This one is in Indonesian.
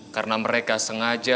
karena mereka sengaja